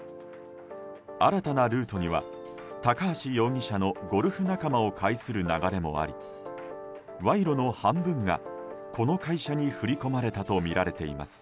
新たなルートには高橋容疑者のゴルフ仲間を介する流れもあり賄賂の半分がこの会社に振り込まれたとみられています。